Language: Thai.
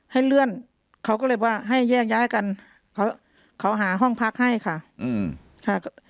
ให้เลื่อนเขาก็เลยว่าให้แยกย้ายกันเขาเขาหาห้องพักให้ค่ะอืมค่ะ